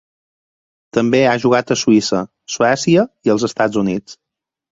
També ha jugat a Suïssa, Suècia i els Estats Units.